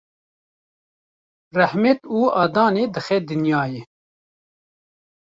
rehmet û adanê dixe dinyayê.